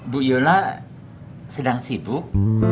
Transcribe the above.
bu jola sedang sibuk